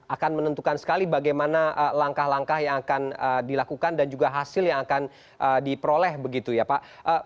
akan menentukan sekali bagaimana langkah langkah yang akan dilakukan dan juga hasil yang akan diperoleh begitu ya pak